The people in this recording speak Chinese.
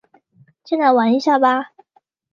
进来玩一下吧